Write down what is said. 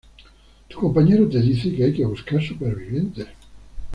Tu compañero te dice que hay que buscar supervivientes.